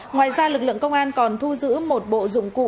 ngoài ra lực lượng công an còn thu giữ một bộ dụng cụ